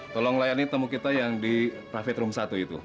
tolong layani tamu kita yang di privit room satu itu